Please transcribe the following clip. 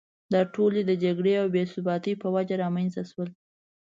دا ټول د جګړې او بې ثباتۍ په وجه رامېنځته شول.